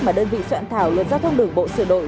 mà đơn vị soạn thảo luật giao thông đường bộ sửa đổi